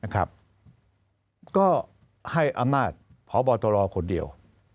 ก็ให้อำนาจพบตรคนเดียว